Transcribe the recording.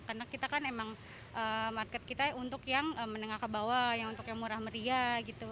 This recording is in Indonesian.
karena kita kan emang market kita untuk yang menengah ke bawah yang untuk yang murah meriah gitu